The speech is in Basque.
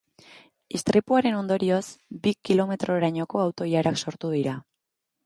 Istripuaren ondorioz, bi kilometrorainoko auto-ilarak sortu dira.